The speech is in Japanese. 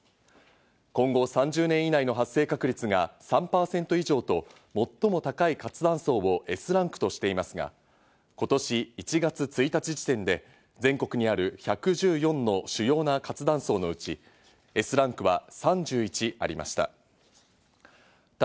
今後３０年以内の発生確率が３％以上と最も高い活断層をＳランクとしていますが、今年１月１日時点で全国にある１１４の主要な活断層のうち、Ｓランクは３１ありました。